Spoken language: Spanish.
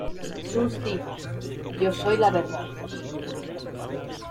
Jesús dijo: "Yo soy la verdad".